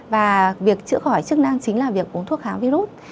và việc chữa khỏi chức năng chính là việc uống thuốc kháng virus